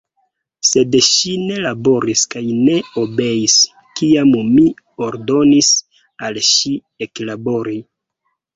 Sed ŝi ne laboris kaj ne obeis, kiam mi ordonis al ŝi eklabori.